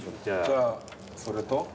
じゃあそれと？